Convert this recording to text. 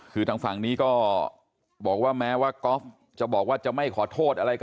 คือทางฝั่งนี้ก็บอกว่าแม้ว่าก๊อฟจะบอกว่าจะไม่ขอโทษอะไรก็